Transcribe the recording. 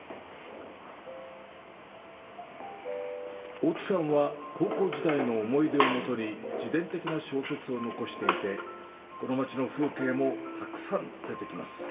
大津さんは、高校時代の思い出をもとに自伝的な小説を残していて、この町の風景もたくさん出てきます。